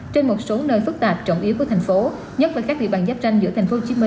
trên một số nơi phức tạp trọng yếu của thành phố nhất là các địa bàn giáp tranh giữa tp hcm